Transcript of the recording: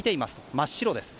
真っ白ですと。